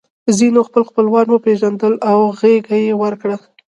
ځینو خپل خپلوان وپېژندل او غېږه یې ورکړه